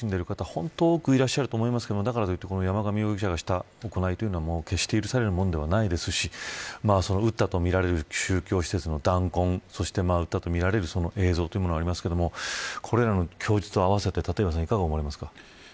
本当に多くいらっしゃると思いますがだからといって、山上容疑者がした行いは、決して許されるものではないですし撃ったとみられる宗教施設の弾痕撃ったとみられる映像というものがありますがこれらの供述を合わせて立岩さん、どう思われますか。